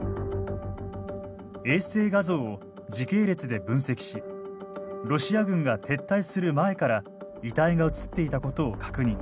衛星画像を時系列で分析しロシア軍が撤退する前から遺体が映っていたことを確認。